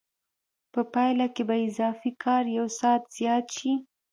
په پایله کې به اضافي کار یو ساعت زیات شي